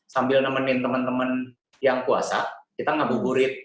sambil nemenin teman teman yang kuasa kita ngabuburit